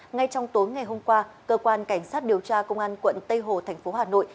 ngay trong tối ngày hôm qua cơ quan cảnh sát điều tra công an quận tây hồ thành phố hà nội